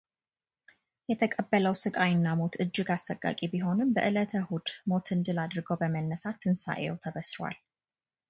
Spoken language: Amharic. የተቀበለው ስቃይ እና ሞት እጅግ አሰቃቂ ቢሆንም በዕለተ እሁድ ሞትን ድል አድርጎ በመነሳት ትንሳኤው ተበስሯል።